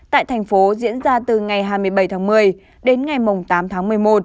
tại thành phố diễn ra từ ngày hai mươi bảy tháng một mươi đến ngày tám tháng một mươi một